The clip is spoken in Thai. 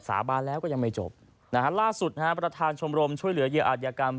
สาบานแล้วก็ยังไม่จบนะฮะล่าสุดนะฮะประธานชมรมช่วยเหลือเหยื่ออาจยากรรม